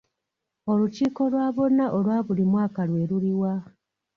Olukiiko lwa bonna olwa buli mwaka lwe luliwa?